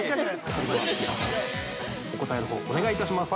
◆それでは、伊沢さんお答えのほうお願いします。